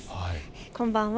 こんばんは。